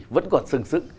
vẫn còn sừng sững